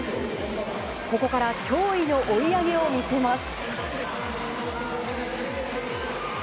ここから驚異の追い上げを見せます。